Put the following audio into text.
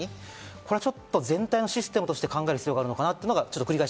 フィリピン国内に全体のシステムとして考える必要があるかなと。